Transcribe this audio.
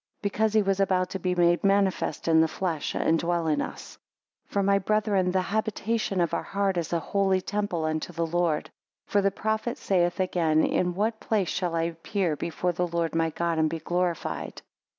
17 Because he was about to be made manifest in the flesh and to dwell in us. 18 For, my brethren, the habitation of our heart is a 'holy temple unto the Lord. For the prophet saith again, In what place shall I appear before the Lord my God, and be glorified?